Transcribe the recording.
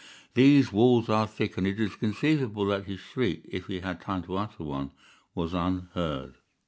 These walls are thick, and it is conceivable that his shriek, if he had time to utter one, was unheard.